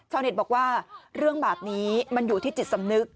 เน็ตบอกว่าเรื่องแบบนี้มันอยู่ที่จิตสำนึก